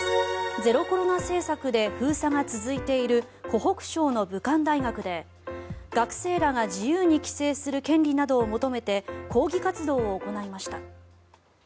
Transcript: ゼロコロナ政策で封鎖が続いている湖北省の武漢大学で学生らが自由に帰省する権利などを求めて抗議活動を行いました。